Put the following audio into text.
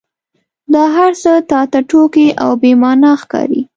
دا هرڅه تا ته ټوکې او بې معنا ښکاري.